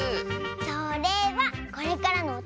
それはこれからのおたのしみ！